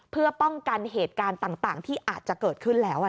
เพื่อป้องกันเหตุการณ์ต่างที่อาจจะเกิดขึ้นแล้ว